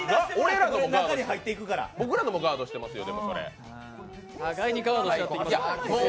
僕らのもガードしてますよ